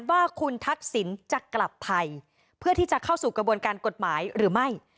ว่าคุณทักษิณจะกลับไทยเพื่อที่จะเข้าสู่กระบวนการกฎหมายหรือไม่